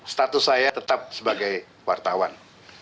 status saya tetap sebagai wartawan